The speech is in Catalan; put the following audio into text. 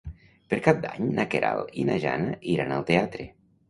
Per Cap d'Any na Queralt i na Jana iran al teatre.